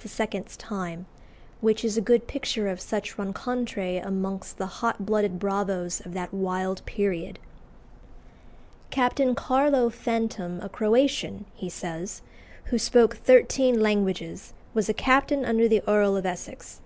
's time, which is a good picture of such rencontres amongst the hot blooded bravos of that wild period. "Captain Carlo Fantom, a Croatian," he says, "who spoke thirteen languages, was a captain under the Earl of Essex.